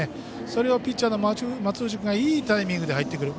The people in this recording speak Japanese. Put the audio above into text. それをピッチャーの松藤君がいいタイミングで入ってくる。